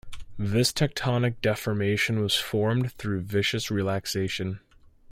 This tectonic deformation was formed through viscous relaxation.